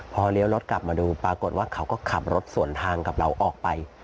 พอเลี้ยวรถกลับมาดูปรากฏว่าเขาก็ขับรถสวนทางกับเราออกไป